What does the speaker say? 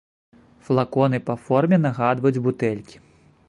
Флаконы па форме нагадваюць бутэлькі.